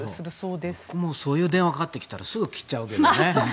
でもそういう電話がかかってきたらすぐ切っちゃうけどね。